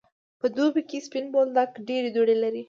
په دوبی کی سپین بولدک ډیری دوړی لری.